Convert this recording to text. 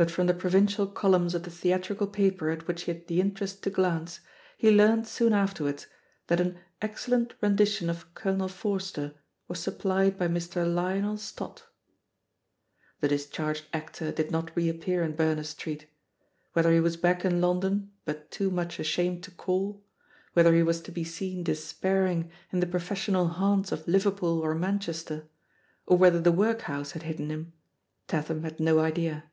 But from the provincial columns of the theatrical paper at which he had the interest to glance, he learnt soon afterwards that an "excellent rendi tion of ^Colonel Forrester' was supplied by Mr. Lionel Stott." The discharged actor did not reappear in Ber ners Street. Whether he was back in London, but too much ashamed to call, whether he was to' be seen despairing in the professional haunts of Liverpool or Manchester, or whether the work house had hidden him, Tatham had no idea.